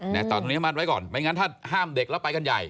แต่ตอนนี้มั่นไว้ก่อนไม่งั้นถ้าห้ามเด็กแล้วไปกันใหญ่